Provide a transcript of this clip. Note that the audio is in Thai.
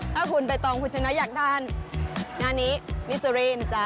ถ้าคุณใบตองคุณชนะอยากทานงานนี้มิสเตอรี่นะจ๊ะ